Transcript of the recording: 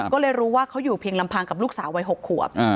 ก็เลยรู้ว่าเขาอยู่เพียงลำพังกับลูกสาววัย๖ขวบ